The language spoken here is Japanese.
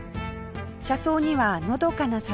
車窓にはのどかな里山や